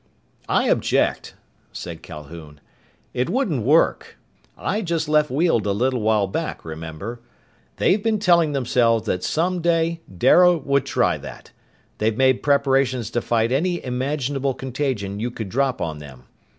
"I object," said Calhoun. "It wouldn't work. I just left Weald a little while back, remember. They've been telling themselves that some day Dara would try that. They've made preparations to fight any imaginable contagion you could drop on them.